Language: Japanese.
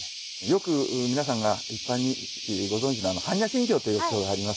よく皆さんが一般にご存じなの「般若心経」というお経があります。